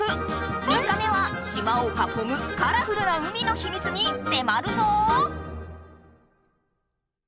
３日目は島をかこむカラフルな海のヒミツにせまるぞ！